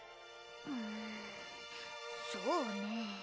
うんそうねぇ